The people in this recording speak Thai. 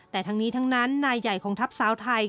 แต่ทั้งนี้ทั้งนั้นนายใหญ่ของทัพสาวไทย